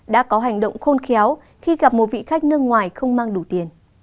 đã có hành động khôn khéo khi gặp một vị khách nước ngoài không mang đủ tiền